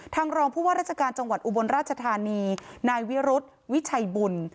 รองผู้ว่าราชการจังหวัดอุบลราชธานีนายวิรุธวิชัยบุญ